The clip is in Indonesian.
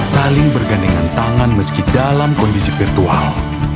saling bergandengan tangan meski dalam kondisi virtual